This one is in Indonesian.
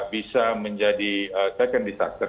bisa menjadi second disaster